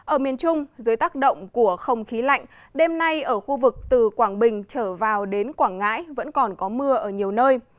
ở miền trung dưới tác động của không khí lạnh đêm nay ở khu vực từ quảng bình trở vào đến quảng ngãi vẫn còn có mưa ở nhiều nơi